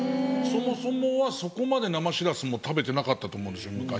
そもそもはそこまで生しらすも食べてなかったと思うんですよ昔。